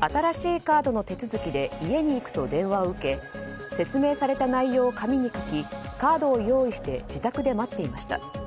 新しいカードの手続きで家に行くと電話を受け説明された内容を紙に書きカードを用意して自宅で待っていました。